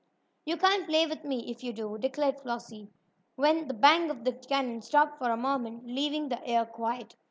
"You can't play with me if you do," declared Flossie, when the bang of the cannon stopped for a moment, leaving the air quiet.